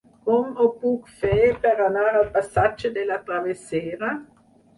Com ho puc fer per anar al passatge de la Travessera?